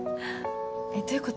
どういうこと？